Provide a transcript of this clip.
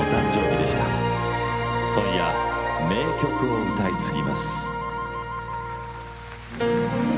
今夜名曲を歌い継ぎます。